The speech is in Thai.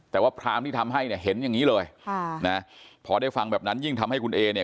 แต่ว่าพรามที่ทำให้เนี่ยเห็นอย่างนี้เลยค่ะนะพอได้ฟังแบบนั้นยิ่งทำให้คุณเอเนี่ย